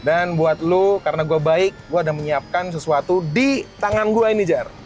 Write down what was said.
dan buat lo karena gue baik gue ada menyiapkan sesuatu di tangan gue nih jar